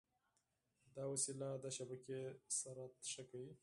دا وسیله د شبکې سرعت ښه کوي.